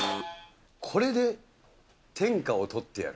これで天下を取ってやる。